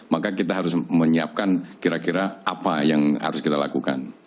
maka kita harus menyiapkan kira kira apa yang harus kita lakukan